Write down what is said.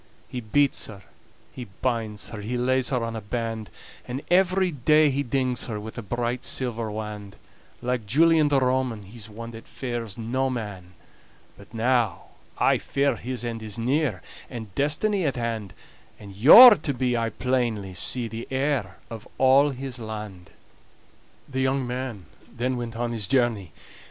He beats her, he binds her, He lays her on a band; And every day he dings her With a bright silver wand. Like Julian the Roman, He's one that fears no man, But now I fear his end is near, And destiny at hand; And you're to be, I plainly see, The heir of all his land."